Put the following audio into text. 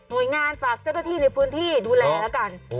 โดยงานฝากเจ้าหน้าที่ในพื้นที่ดูแลแล้วกัน